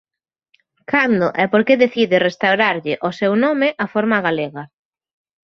Cando e por que decide restaurarlle o seu nome a forma galega?